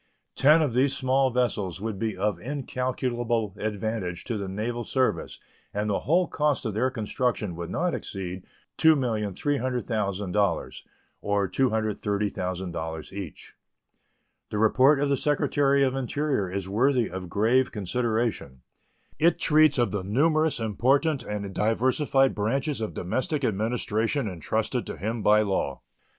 Ten of these small vessels would be of incalculable advantage to the naval service, and the whole cost of their construction would not exceed $2,300,000, or $230,000 each. The report of the Secretary of the Interior is worthy of grave consideration. It treats of the numerous important and diversified branches of domestic administration intrusted to him by law.